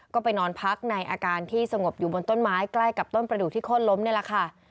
ก็ไปนอนพักในอาการที่สงบอยู่บนต้นไม้ใกล้กับต้นประดูกที่โค้นล้มนี่แหละค่ะ